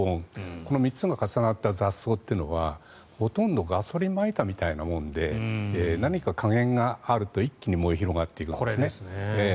この３つが重なった雑草というのはほとんどガソリンをまいたみたいなもので何か火源があると一気に燃え広がっていくんです。